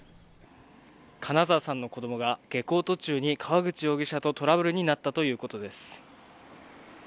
金沢さんの子どもが、下校途中に川口容疑者とトラブルになったということです。